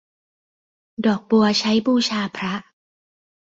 ดอกบัวใช้บูชาพระ